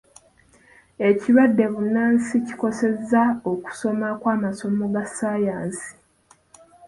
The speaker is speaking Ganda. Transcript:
Ekirwadde bbunansi kikosezza okusoma kw'amasomo ga ssaayansi.